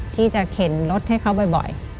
พี่จะเข็นรถให้เขาบ่อย